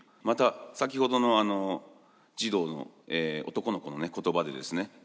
また先ほどの児童の男の子の言葉でですね